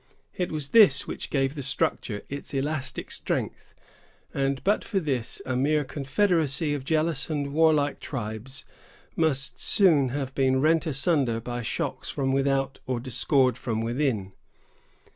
It was this which gave the structure its elastic strength; and but for this, a mere confederacy of jealous and warlike tribes must soon have been rent asunder by shocks from without or discord from within.